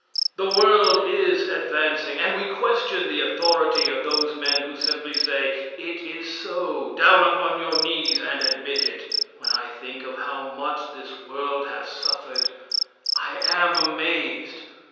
The world is advancing, and we question the authority of those men who simply say "it is so." Down upon your knees and admit it! When I think of how much this world has suffered, I am amazed.